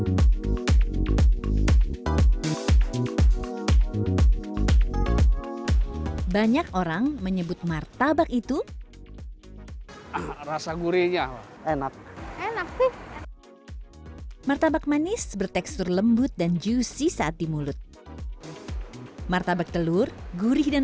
kebanyakan orang menikmatinya sebagai camilan